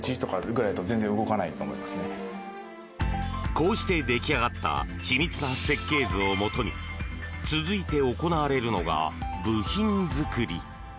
こうして出来上がった緻密な設計図をもとに続いて行われるのが部品作り。